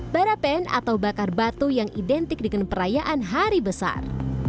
barapen atau bakar batu yang identik dengan perayaan hari besar